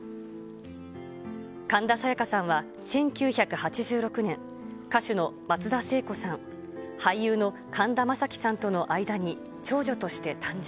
神田沙也加さんは１９８６年、歌手の松田聖子さん、俳優の神田正輝さんとの間に長女として誕生。